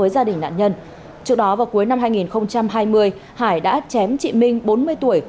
gia đình nạn nhân trước đó vào cuối năm hai nghìn hai mươi hải đã chém chị minh bốn mươi tuổi